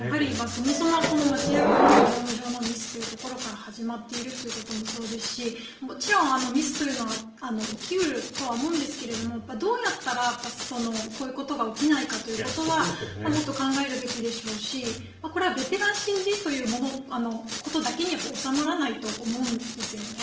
そもそもはこの町役場の業務上のミスから始まっているということもそうですしもちろんミスというのは起き得るとは思うんですがどうやったらこういうことが起きないかということはもっと考えるべきでしょうしこれはベテラン、新人ということだけに収まらないと思うんですよね。